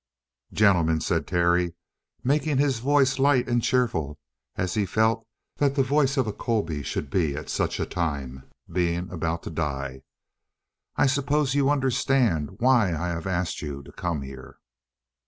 "Gentlemen," said Terry, making his voice light and cheerful as he felt that the voice of a Colby should be at such a time, being about to die, "I suppose you understand why I have asked you to come here?"